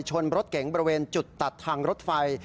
ชนรถเก๋งบริเวณจุดตัดทางรถไฟ